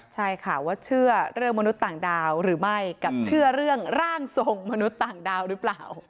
ใช่ค่ะว่าเชื่อเรื่องมนุษย์ต่างดาวหรือไม่กับเชื่อเรื่องร่างทรงมนุษย์ต่างดาวหรือเปล่า